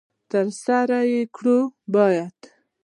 تر سره کړو باید.